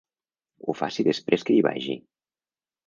Ho faci després que hi vagi.